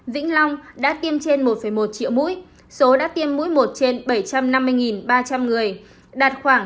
vĩnh long đã tiêm trên một một triệu mũi số đã tiêm mũi một trên bảy trăm năm mươi ba trăm linh người đạt khoảng chín mươi bảy năm mươi bảy